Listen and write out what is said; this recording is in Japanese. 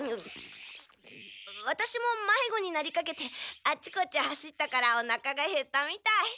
ワタシもまいごになりかけてあっちこっち走ったからおなかがへったみたい。